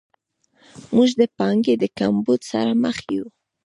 موږ د پانګې د کمبود سره مخ یو.